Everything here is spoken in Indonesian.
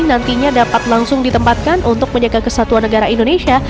nantinya dapat langsung ditempatkan untuk menjaga kesatuan negara indonesia